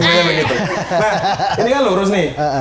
ini kan lurus nih